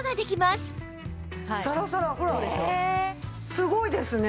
すごいですね。